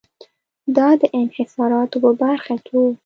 دا د انحصاراتو په برخه کې و.